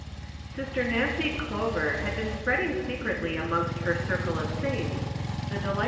^gjISTER KANCY CLOVER had been spreading secretly amongst her circle of saints the delight.